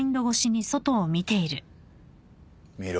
見ろ。